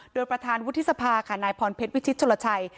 โดยประธานวุฒิสภาค่ะนายพรเพชรวิชิตชนลชัย